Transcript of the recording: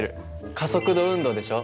加速度運動でしょ。